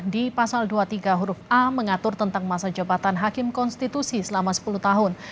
di pasal dua puluh tiga huruf a mengatur tentang masa jabatan hakim konstitusi selama sepuluh tahun